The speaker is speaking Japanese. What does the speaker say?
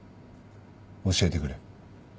教えてくれ。